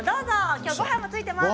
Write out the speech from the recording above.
今日は、ごはんもついています。